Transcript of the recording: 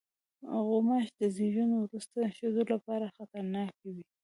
غوماشې د زیږون وروسته ښځو لپاره خطرناک وي.